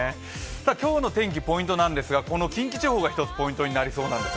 今日の天気、ポイントなんですが近畿地方がポイントになりそうです。